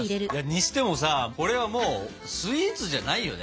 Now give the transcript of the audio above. にしてもさこれはもうスイーツじゃないよね。